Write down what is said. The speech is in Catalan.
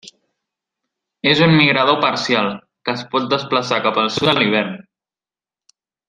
És un migrador parcial, que es pot desplaçar cap al sud a l'hivern.